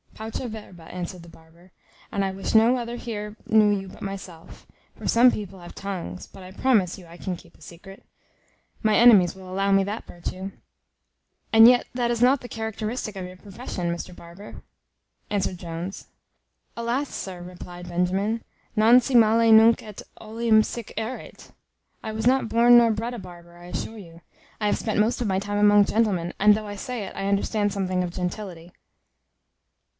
"Pauca verba," answered the barber;" and I wish no other here knew you but myself; for some people have tongues; but I promise you I can keep a secret. My enemies will allow me that virtue." "And yet that is not the characteristic of your profession, Mr Barber," answered Jones. "Alas! sir," replied Benjamin, "Non si male nunc et olim sic erit. I was not born nor bred a barber, I assure you. I have spent most of my time among gentlemen, and though I say it, I understand something of gentility.